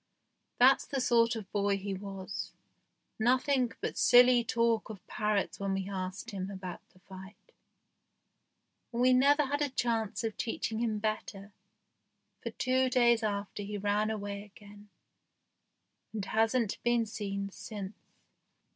That's the sort of boy he was, nothing but silly talk of parrots when THE GHOST SHIP 21 we asked him about the fighting. And we never had a chance of teaching him better, for two days after he ran away again, and hasn't been seen since.